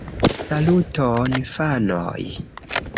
Saluton fanoj